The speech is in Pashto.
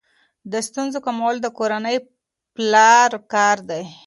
د ستونزو کمول د کورنۍ د پلار کار دی.